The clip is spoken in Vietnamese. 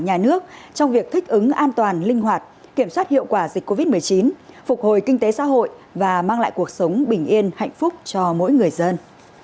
nhà nước trong việc thích ứng an toàn linh hoạt kiểm soát hiệu quả dịch covid một mươi chín phục hồi kinh tế xã hội và mang lại cuộc sống bình yên hạnh phúc cho mỗi người dân